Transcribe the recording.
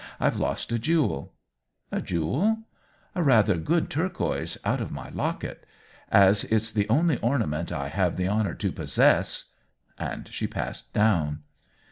IVe lost a jewel." " A jewel ?"" A rather good turquoise, out of my lock et. As it's the only ornament I have the honor to possess —" And she passed down.